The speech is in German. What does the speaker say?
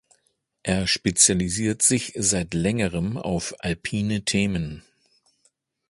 Er spezialisiert sich seit längerem auf alpine Themen.